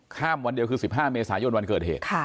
วันเดียวคือ๑๕เมษายนวันเกิดเหตุ